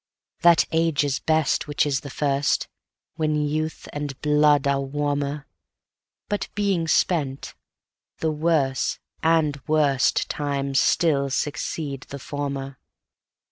That age is best which is the first, When youth and blood are warmer; 10 But being spent, the worse, and worst Times still succeed the former.